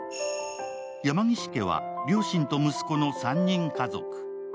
山岸家は両親と息子の３人家族。